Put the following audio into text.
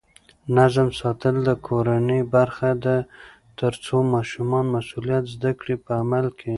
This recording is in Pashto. نظم ساتل د کورنۍ برخه ده ترڅو ماشومان مسؤلیت زده کړي په عمل کې.